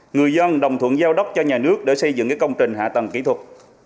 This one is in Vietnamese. người dân đồng thuận giao đất cho nhà nước để xây dựng công trình hạ tầng kỹ thuật